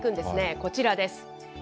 こちらです。